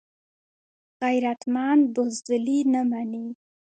غیرتمند بزدلي نه مني